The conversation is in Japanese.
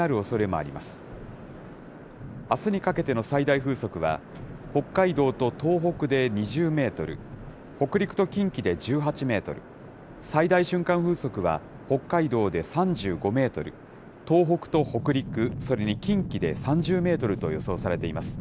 あすにかけての最大風速は、北海道と東北で２０メートル、北陸と近畿で１８メートル、最大瞬間風速は北海道で３５メートル、東北と北陸、それに近畿で３０メートルと予想されています。